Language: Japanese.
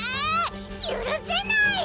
ゆるせない！